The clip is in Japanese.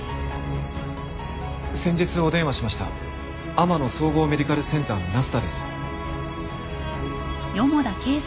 先日お電話しました天乃総合メディカルセンターの那須田です。